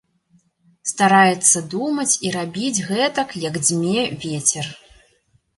Стараецца думаць і рабіць гэтак, як дзьме вецер.